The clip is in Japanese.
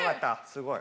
すごい。